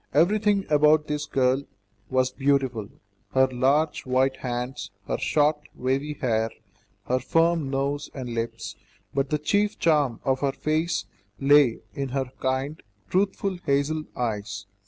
Everything about this girl was beautiful; her large, white hands, her short, wavy hair, her firm nose and lips, but the chief charm of her face lay in her kind, truthful hazel eyes.